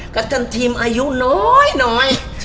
กับการทีมอายุน้อยน้อย